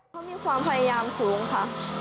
เขามีความพยายามสูงค่ะ